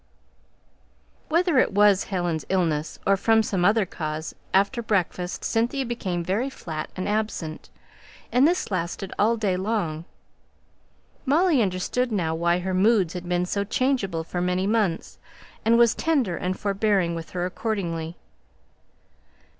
Whether it was Helen's illness, or from some other cause, after breakfast Cynthia became very flat and absent, and this lasted all day long. Molly understood now why her moods had been so changeable for many months, and was tender and forbearing with her accordingly.